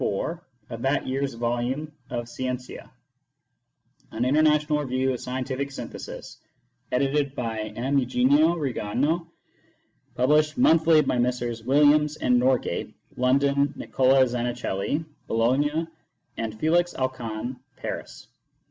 4 of that year s volume of Scientia, an International Review of Scientific Synthesis, edited by M. Eugenio Rignano, published monthly by Messrs. Williams and Norgate, London, Nicola Zanichelli, Bologna, and Felix Alcan, Paris.